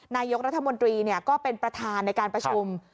นายกรัฐมนตรีก็เป็นประธานในการประชุม